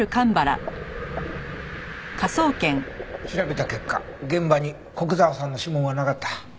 調べた結果現場に古久沢さんの指紋はなかった。